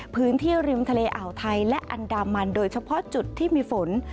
พื้นที่ริมทะเลอ่าวไทยและอันดามันโดยเฉพาะจุดที่มีฝน